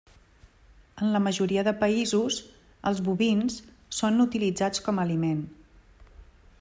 En la majoria de països, els bovins són utilitzats com a aliment.